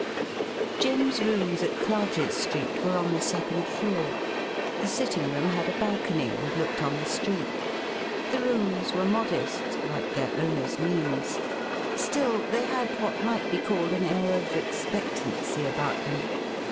Jim's rooms at Clarges Street were on the second floor. The sitting room had a balcony, and looked on the street. The rooms were modest, like their owner's means. Still, they had what might be called an air of expectancy about them.